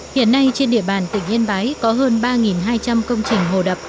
hiện nay trên địa bàn tỉnh yên bái có hơn ba hai trăm linh công trình hồ đập